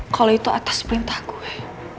kalau itu atas perintah kue